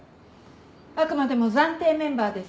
あくまでも暫定メンバーです。